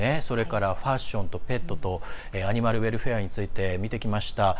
それからファッションとペットとアニマルウェルフェアについて見てきました。